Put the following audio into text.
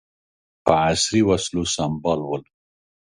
په عصري وسلو سمبال ول.